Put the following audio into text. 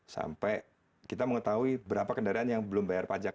sampai kita mengetahui berapa kendaraan yang belum bayar pajak